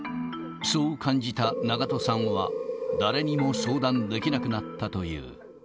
そう感じた長渡さんは、誰にも相談できなくなったという。